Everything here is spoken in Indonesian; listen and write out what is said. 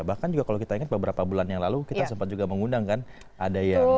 bahkan juga kalau kita ingat beberapa bulan yang lalu kita sempat juga mengundang kan ada yang